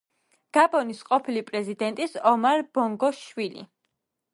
გაბონის ყოფილი პრეზიდენტის ომარ ბონგოს შვილი.